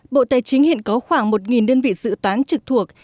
bộ tài chính hiện có khoảng một đơn vị dự toán trực thuộc